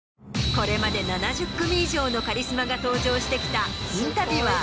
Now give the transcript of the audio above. これまで７０組以上のカリスマが登場してきたインタビュアー